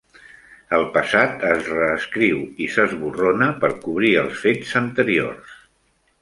El passat es reescriu i s'esborrona per cobrir els fets anteriors.